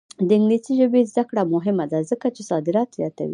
د انګلیسي ژبې زده کړه مهمه ده ځکه چې صادرات زیاتوي.